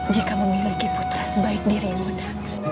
jika memiliki putra sebaik dirimu nda